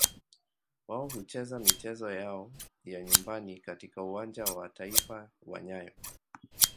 Wao hucheza michezo yao ya nyumbani katika Uwanja wa Taifa wa nyayo.